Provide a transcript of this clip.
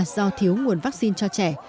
do thiếu nguồn vaccine cho trẻ